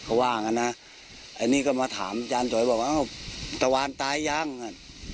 เค้าว่างันนะอะนี่ก็มาถามจานสวัสดีบอกว่าตะวานตายยางอะ